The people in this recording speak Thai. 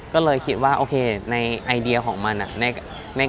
ก็เลยคิดว่าโอเคในไอเดียของมัน